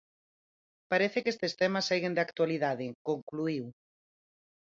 Parece que estes temas seguen de actualidade, concluíu.